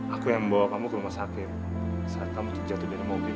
aku yang membawa kamu ke rumah sakit saat kamu jatuh dari mobil